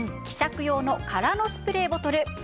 希釈用の空のスプレーボトル。